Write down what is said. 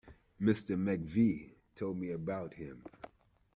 Mr McVeigh told me about him.